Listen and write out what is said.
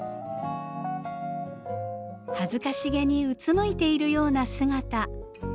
恥ずかしげにうつむいているような姿。